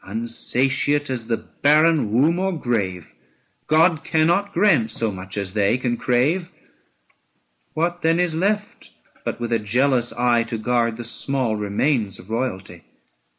Unsatiate as the barren womb or grave, God cannot grant so much as they can crave. What then is left but with a jealous eye To guard the small remains of royalty ?